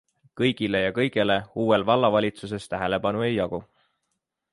Kõigile ja kõigele uuel vallavalitsuses tähelepanu ei jagu.